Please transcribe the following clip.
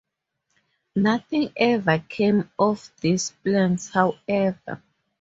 Nothing ever came of these plans, however.